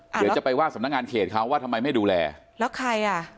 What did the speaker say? เดี๋ยวจะไปว่าสำนักงานเขตเขาว่าทำไมไม่ดูแลแล้วใครอ่ะ